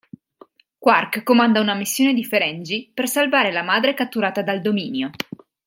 Quark comanda una missione di Ferengi per salvare la madre catturata dal Dominio.